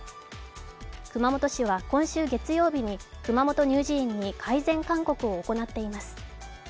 熊本市は今週月曜日に熊本乳児院に改善勧告を行っています。